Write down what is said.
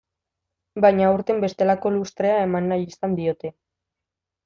Baina aurten bestelako lustrea eman nahi izan diote.